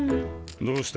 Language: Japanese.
どうした？